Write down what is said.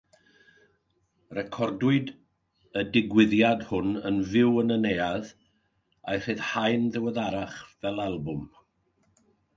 Recordiwyd y digwyddiad hwn yn fyw yn y neuadd, a'i ryddhau'n ddiweddarach fel albwm.